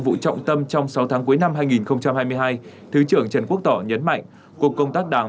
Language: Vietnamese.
vụ trọng tâm trong sáu tháng cuối năm hai nghìn hai mươi hai thứ trưởng trần quốc tỏ nhấn mạnh cục công tác đảng